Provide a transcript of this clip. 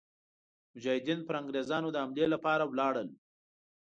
مجاهدین پر انګرېزانو د حملې لپاره ولاړل.